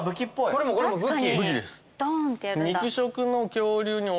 これもこれも武器。